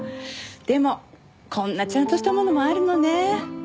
でもこんなちゃんとしたものもあるのね。